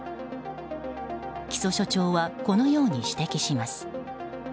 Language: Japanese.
木曽所長はこのように指摘します。